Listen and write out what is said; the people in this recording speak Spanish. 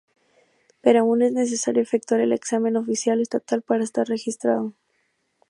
Pero aún es necesario efectuar el examen oficial estatal para estar registrado.